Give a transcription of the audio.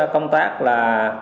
công tác là